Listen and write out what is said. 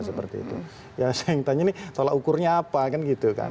saya ingin tanya ini soal ukurnya apa